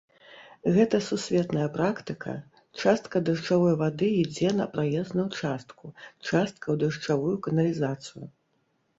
Гэта сусветная практыка, частка дажджавой вады ідзе на праезную частку, частка ў дажджавую каналізацыю.